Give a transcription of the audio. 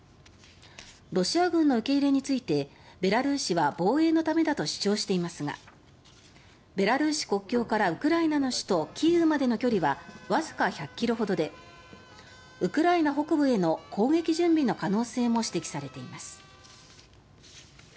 ロシア軍の受け入れについてベラルーシは防衛のためだと主張していますがベラルーシ国境からウクライナの首都キーウまでの距離はわずか１００ｋｍほどでウクライナ北部への攻撃準備の可能性も指摘されています。